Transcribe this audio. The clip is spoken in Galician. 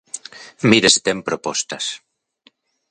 ¡Mire se ten propostas!